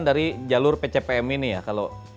dari jalur pcpm ini ya kalau